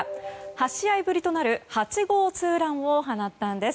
８試合ぶりとなる８号ツーランを放ったんです。